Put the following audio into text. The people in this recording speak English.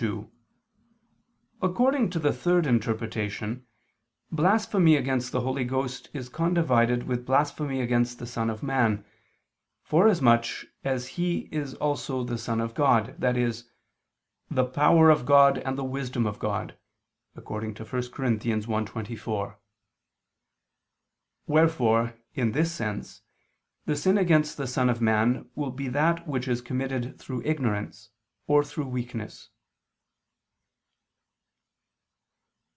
2: According to the third interpretation, blasphemy against the Holy Ghost is condivided with blasphemy against the Son of Man, forasmuch as He is also the Son of God, i.e. the "power of God and the wisdom of God" (1 Cor. 1:24). Wherefore, in this sense, the sin against the Son of Man will be that which is committed through ignorance, or through weakness.